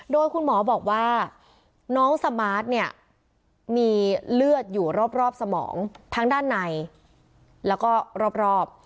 โดยคุณหมอบอกว่าน้องสมาร์ทเนี่ยมีเลือดอยู่รอบสมองทั้งด้านในแล้วก็รอบ